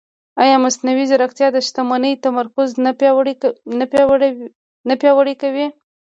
ایا مصنوعي ځیرکتیا د شتمنۍ تمرکز نه پیاوړی کوي؟